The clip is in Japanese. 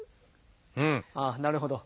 ああなるほど。